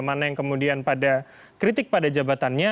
mana yang kemudian pada kritik pada jabatannya